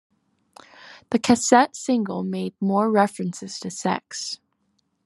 The cassette single made more references to sex.